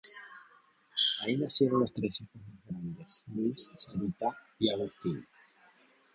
Ahí nacieron los tres hijos más grandes, Luis, Sarita y Agustín.